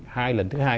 hai lần thứ hai